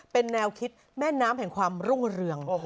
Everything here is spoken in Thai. เป็นแนวคิดแม่น้ำแห่งความรุ่งเรือง